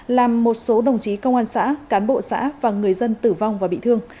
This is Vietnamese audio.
làm một số đồng chí công an xã cán bộ xã và người dân tử vong và bị thương